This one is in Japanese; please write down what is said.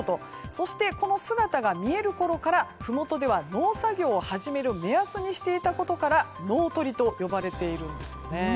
そして、この姿が見えるころからふもとでは農作業を始める目安にしていたことから農鳥と呼ばれているんですね。